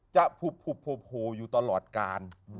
จะผุบอยู่ตลอดกาล